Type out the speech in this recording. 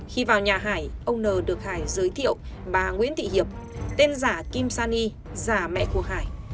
khi vào nhà hải ông n được hải giới thiệu bà nguyễn thị hiệp tên giả kim sany giả mẹ của hải